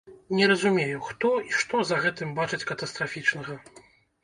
Не разумею, хто і што за гэтым бачыць катастрафічнага?